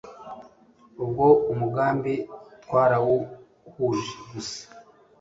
Ubwo umugambi twarawuhuje gusa